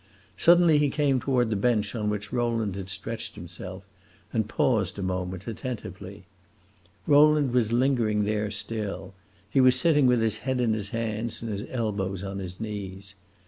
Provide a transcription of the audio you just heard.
Suddenly he came toward the bench on which Rowland had stretched himself, and paused a moment, attentively. Rowland was lingering there still; he was sitting with his head in his hands and his elbows on his knees.